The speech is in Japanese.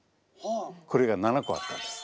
これが７個あったんです。